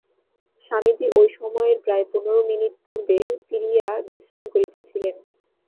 স্বামীজী ঐ সময়ের প্রায় পনর মিনিট পূর্বে ফিরিয়া বিশ্রাম করিতেছিলেন।